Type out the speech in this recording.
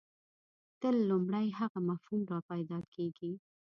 تل لومړی هغه مفهوم راپیدا کېږي.